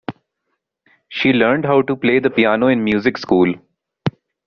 She learned how to play the piano in music school.